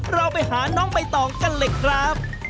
เราไปหาน้องใบตองกันเลยครับ